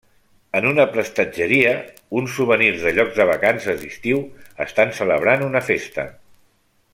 En una prestatgeria, uns souvenirs de llocs de vacances d'estiu estan celebrant una festa.